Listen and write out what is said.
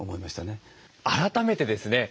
改めてですね